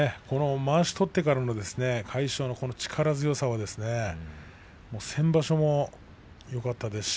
まわしを取ってからの魁勝の力強さは先場所もよかったですし